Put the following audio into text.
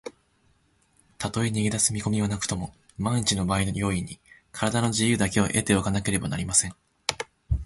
たとえ逃げだす見こみはなくとも、まんいちのばあいの用意に、からだの自由だけは得ておかねばなりません。